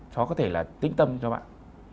nó có thể là tính tâm cho bạn